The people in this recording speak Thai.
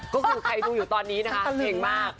ก็คือใครดูอยู่ตอนนี้นะคะเก่งมาก